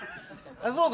そうか。